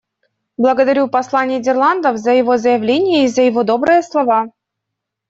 Благодарю посла Нидерландов за его заявление и за его добрые слова.